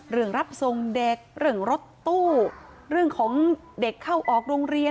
รับทรงเด็กเรื่องรถตู้เรื่องของเด็กเข้าออกโรงเรียน